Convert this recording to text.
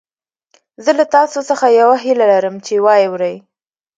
زه له تاسو څخه يوه هيله لرم چې يې واورئ.